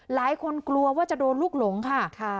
หลายคนกลัวว่าจะโดนลูกหลงค่ะ